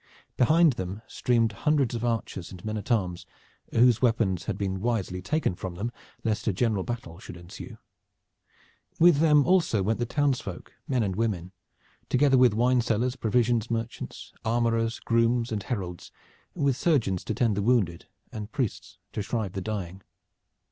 Behind them streamed hundreds of archers and men at arms whose weapons had been wisely taken from them lest a general battle should ensue. With them also went the townsfolk, men and women, together with wine sellers, provisions merchants, armorers, grooms and heralds, with surgeons to tend the wounded and priests to shrive the dying.